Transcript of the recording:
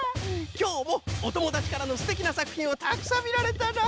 きょうもおともだちからのすてきなさくひんをたくさんみられたな！